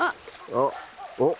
あっおっ？